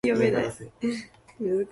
旅行で新しい場所を発見したい。